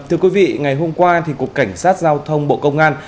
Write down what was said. thưa quý vị ngày hôm qua cục cảnh sát giao thông bộ công an